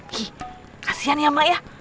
hih kasihan ya mak ya